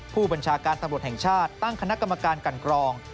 ผู้บัญชาการตำรวจแห่งชาติตั้งคณะกรรมการกันกรอง